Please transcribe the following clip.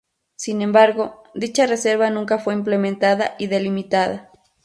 Sin embargo, dicha reserva nunca fue implementada y delimitada.